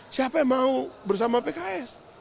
siapa yang mau bersama pks